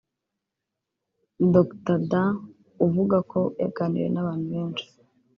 Dr Dean uvuga ko yaganiriye n’abantu benshi cyane